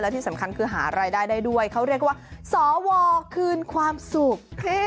ที่สำคัญคือหารายได้ได้ด้วยเขาเรียกว่าสวคืนความสุข